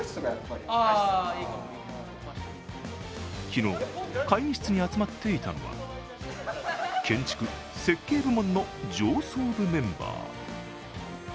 昨日、会議室に集まっていたのは建築・設計部門の上層部メンバー。